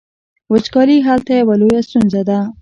وچکالي هلته یوه لویه ستونزه ده.